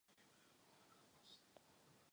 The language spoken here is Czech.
Jedná se o středně velkého mravence.